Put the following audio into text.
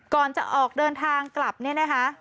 ก่อนจะออกเดินทางกลับเนี่ยนะคะ